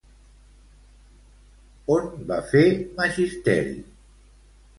On va fer magisteri?